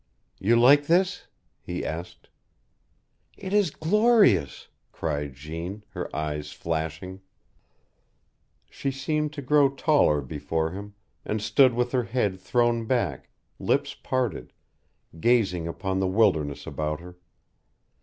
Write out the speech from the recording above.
"You like this?" he asked. "It is glorious!" cried Jeanne, her eyes flashing. She seemed to grow taller before him, and stood with her head thrown back, lips parted, gazing upon the wilderness about her.